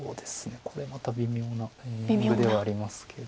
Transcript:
これまた微妙なタイミングではありますけど。